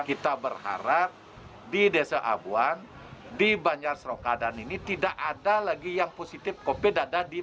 kita berharap di desa abuan di banjar seroka dan ini tidak ada lagi yang positif covid sembilan belas